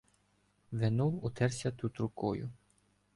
Венул утерся тут рукою